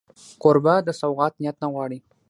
کوربه د سوغات نیت نه غواړي.